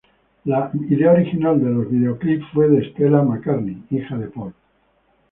La idea original de los videoclips fue de Stella McCartney, hija de Paul.